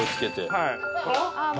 はい。